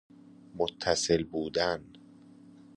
متصل بودن